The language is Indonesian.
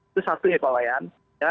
itu satu pak wayan